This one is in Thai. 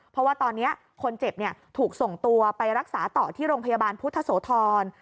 เพราะว่าตอนนี้คนเจ็บถูกส่งตัวไปรักษาต่อที่โรงพยาบาลพุทธโสธร